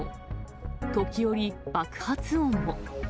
時折、爆発音も。